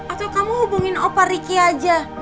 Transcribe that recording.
atau kamu hubungin opa ricky aja